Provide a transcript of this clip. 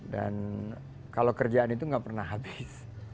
dan kalau kerjaan itu gak pernah habis